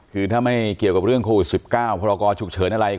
คือถ้าไม่เกี่ยวกับเรื่องโควิด๑๙พรกรฉุกเฉินอะไร